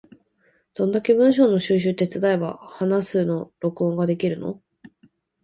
どんだけ文章の収集手伝えば話すの録音ができるの？